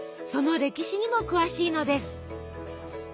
その歴史にも詳しいのです。